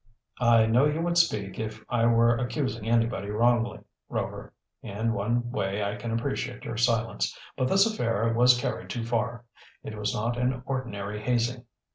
"I know you would speak if I were accusing anybody wrongly, Rover. In one way I can appreciate your silence. But this affair was carried too far. It was not an ordinary hazing.